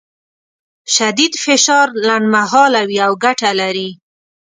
شدید فشار لنډمهاله وي او ګټه لري.